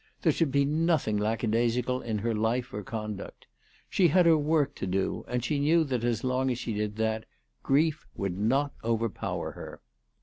There should be nothing lack a daisical in her life or conduct. She had her work to do, and she knew that as long as she did that, grief would not overpower her.